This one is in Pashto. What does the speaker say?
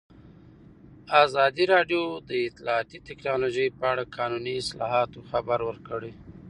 ازادي راډیو د اطلاعاتی تکنالوژي په اړه د قانوني اصلاحاتو خبر ورکړی.